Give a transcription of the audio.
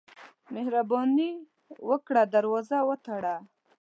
مهرباني وکړه، دروازه وتړه.